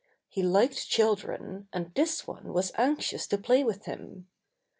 He liked children, and this one was anxious to play with him.